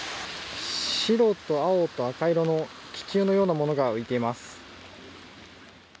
白と青と赤色の気球のようなものが浮いています。